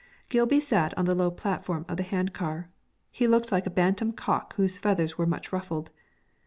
Gilby sat on the low platform of the hand car. He looked like a bantam cock whose feathers were much ruffled.